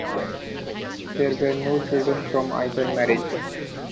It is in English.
There were no children from either marriage.